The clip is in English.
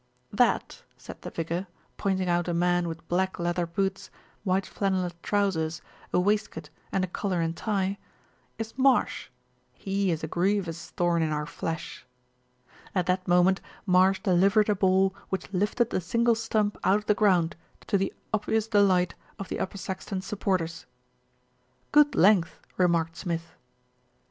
"That," said the vicar, pointing out a man with black leather boots, white flannelette trousers, a waist coat and a collar and tie, "is Marsh. He is a grievous thorn in our flesh." At that moment, Marsh delivered a ball which lifted the single stump out of the ground, to the obvious de light of the Upper Saxton supporters. "Good length," remarked Smith.